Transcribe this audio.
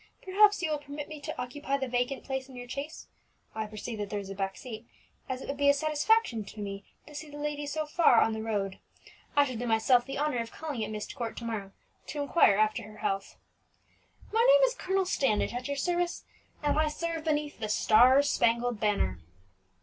Perhaps you will permit me to occupy the vacant place in your chaise (I perceive that there is a back seat), as it would be a satisfaction to me to see the lady so far safe on the road. I shall do myself the honour of calling at Myst Court to morrow, to inquire after her health. My name is Colonel Standish, at your service, and I serve beneath the star spangled banner."